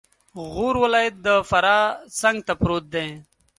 غور ولایت د فراه څنګته پروت دی